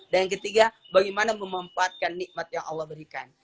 dan yang ketiga bagaimana memanfaatkan nikmat yang allah berikan